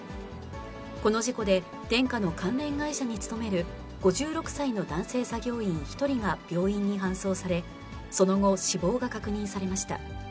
この事故で、デンカの関連会社に勤める５６歳の男性作業員１人が病院に搬送され、その後、死亡が確認されました。